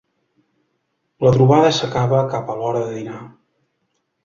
La trobada s'acaba cap a l'hora de dinar.